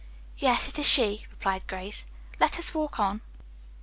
"Yes, it is she," replied Grace. "Let us walk on."